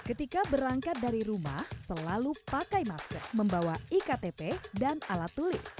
ketika berangkat dari rumah selalu pakai masker membawa iktp dan alat tulis